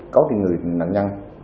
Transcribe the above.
có thì người nạn nhân